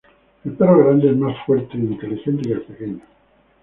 El perro grande es más fuerte e inteligente que el pequeño.